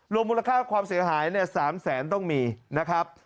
มูลค่าความเสียหาย๓แสนต้องมีนะครับ